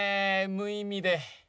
無意味で。